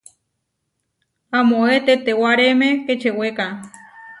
Amóe tetewáreemé kečewéka.